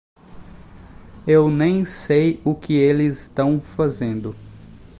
Eu nem sei o que eles tão fazendo.